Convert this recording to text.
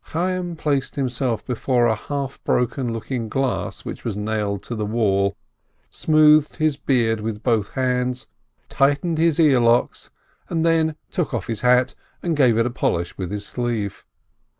Chayyim placed himself before a half broken looking glass which was nailed to the wall, smoothed his beard with both hands, tightened his earlocks, and then took off his hat, and gave it a polish with his sleeve.